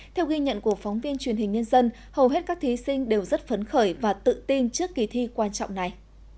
theo ghi nhận của phóng viên truyền hình nhân dân hầu hết các thí sinh đều rất phấn khởi và tự tin trước kỳ thi quan trọng này